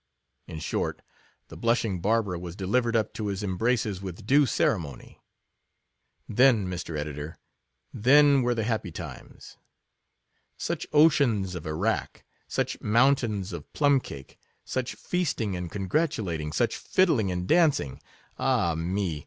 In short, the blushing Barbara was delivered up to his embraces with due ceremony. Then, Mr. Editor — then were the happy times : such oceans of arrack — such mountains of plum cake — such feasting and congratulating — such fiddling and dancing: — ah me!